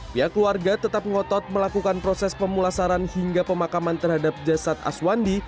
pihak keluarga tetap ngotot melakukan proses pemulasaran hingga pemakaman terhadap jasad aswandi